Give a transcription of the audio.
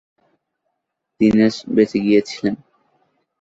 দীনেশ বেঁচে গিয়ে ছিলেন।